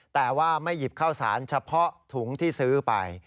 แต่ว่าไม่หยิบข้าวสารเฉพาะถุงที่ซื้อไป